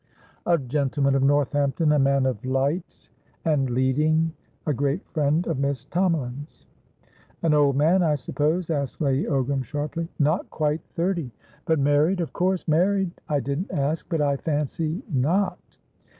"A gentleman of Northampton, a man of light and leading, a great friend of Miss Tomalin's." "An old man, I suppose?" asked Lady Ogram, sharply. "Not quite thirty." "But married? Of course married?" "I didn't ask; but, I fancy, not."